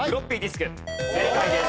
正解です。